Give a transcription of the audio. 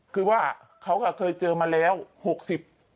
คือว่าเขาก็เคยเจอมาแล้วหกสิบ